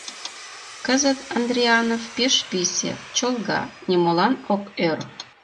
Кызыт Андрианов пеш писе, чолга, нимолан ок ӧр.